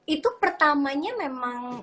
itu pertamanya memang